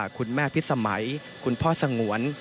คุณแม่พิษสมัยคุณพ่อสงวน